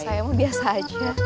saya mau biasa aja